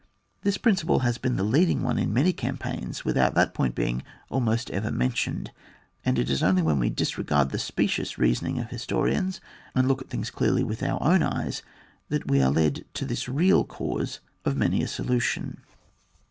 This principle has been the leading one in many campaigns without that point being almost ever mentioned; and it is only when we disregard the specious reason ing of historians, and look at things clearly with our own eyes, that we are led to this real cause of many a solution.